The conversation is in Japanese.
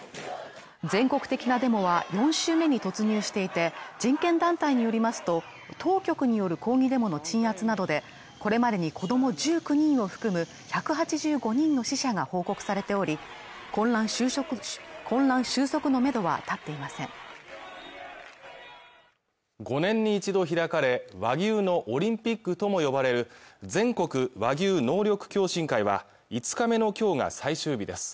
全国的なデモは４周目に突入していて人権団体によりますと当局による抗議デモの鎮圧などでこれまでに子ども１９人を含む１８５人の死者が報告されており混乱収束のめどは立っていません５年に一度開かれ和牛のオリンピックとも呼ばれる全国和牛能力共進会は５日目の今日が最終日です